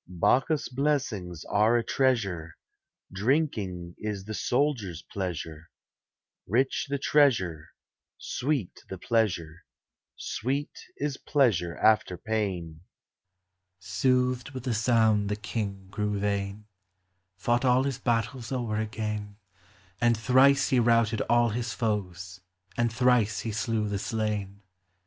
THE ARTS. 375 CHORUS. Bacchus* blessings are a treasure, Drinking is the soldier's pleasure ; Rich the treasure, Sioeet the pleasure, Sweet is pleasure after pain* Soothed with the sound the king grew vain ; Fought all his battles o'er again ; And thrice he routed all his foes, and thrice he slew the slain.